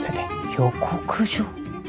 予告状？